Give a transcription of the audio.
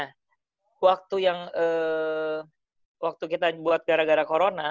nah waktu yang waktu kita buat gara gara corona